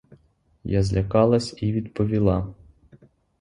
Я злякалась і відповіла.